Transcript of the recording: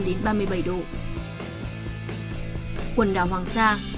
quần đảo hoàng sa